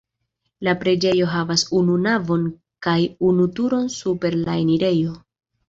La preĝejo havas unu navon kaj unu turon super la enirejo.